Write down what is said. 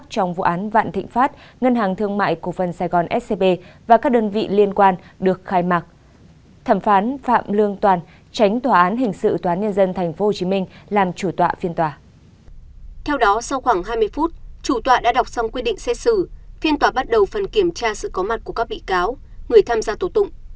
theo đó sau khoảng hai mươi phút chủ tòa đã đọc xong quyết định xét xử phiên tòa bắt đầu phần kiểm tra sự có mặt của các bị cáo người tham gia tổ tụng